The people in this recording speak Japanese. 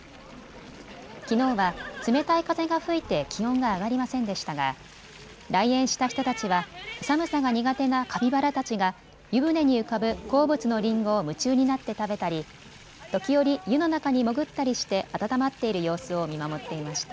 きのうは冷たい風が吹いて気温が上がりませんでしたが来園した人たちは寒さが苦手なカピバラたちが湯船に浮かぶ好物のりんごを夢中になって食べたり時折、湯の中に潜ったりして温まっている様子を見守っていました。